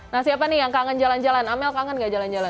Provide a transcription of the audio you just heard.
nah siapa nih yang kangen jalan jalan amel kangen gak jalan jalan